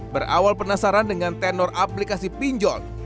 berawal penasaran dengan tenor aplikasi pinjol